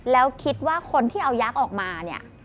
แล้วคิดว่าคนที่เอายักษ์ออกมาเนี่ย